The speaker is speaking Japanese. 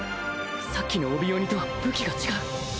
さっきの帯鬼とは武器が違う